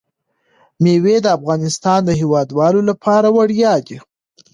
مېوې د افغانستان د هیوادوالو لپاره ویاړ دی.